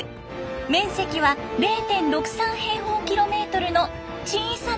面積は０．６３平方キロメートルの小さな島です。